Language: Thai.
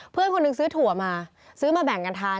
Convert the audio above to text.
เพื่อนคนหนึ่งซื้อถั่วมาซื้อมาแบ่งกันทาน